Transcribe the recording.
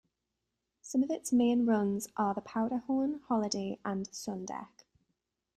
Some of its main runs are the Powderhorn, Holiday, and Sun Deck.